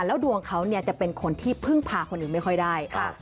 แล้วดวงเขาจะเป็นคนที่พึ่งพาคนอื่นไม่ค่อยได้